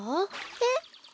えっ？